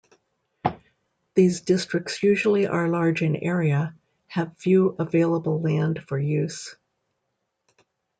These districts usually are large in area, have few available land for use.